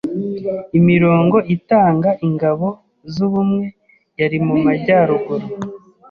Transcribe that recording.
Imirongo itanga ingabo zubumwe yari mumajyaruguru.